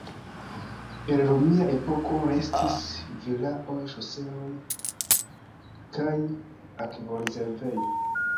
El romia epoko restis vilaoj, ŝoseo, kaj akvorezervejo.